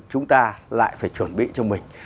chúng ta lại phải chuẩn bị cho mình